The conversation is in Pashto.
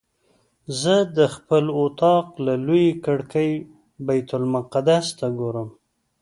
زه د خپل اطاق له لویې کړکۍ بیت المقدس ته ګورم.